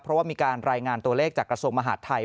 เพราะว่ามีการรายงานตัวเลขจากกระทรวงมหาดไทย